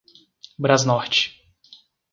Brasnorte